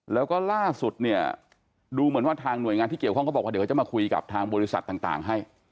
แล้วก็ล่าสุดเนี่ยดูเหมือนว่าทางหน่วยงานที่เกี่ยวข้องเขาบอกว่าเดี๋ยวเขาจะมาคุยกับทางบริษัทต่างให้